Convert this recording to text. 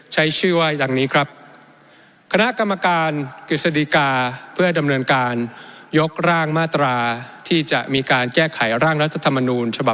ใช้ชื่อว่าอย่างนี้ครับ